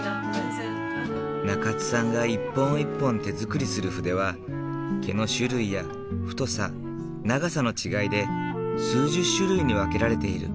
中津さんが一本一本手作りする筆は毛の種類や太さ長さの違いで数十種類に分けられている。